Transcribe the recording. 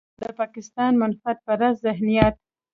د پاکستان منفعت پرست ذهنيت.